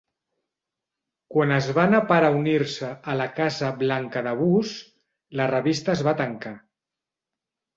Quan es va anar per a unir-se a la Casa Blanca de Bush, la revista es va tancar.